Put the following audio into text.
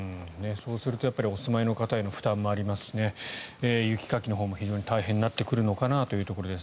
そうするとやっぱりお住まいの方の負担もありますし雪かきのほうも大変になってくるのかなと思います。